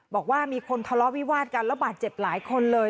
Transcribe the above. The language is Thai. บอกว่ามีคนทะเลาะวิวาดกันแล้วบาดเจ็บหลายคนเลย